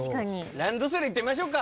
ランドセルいってみましょうか。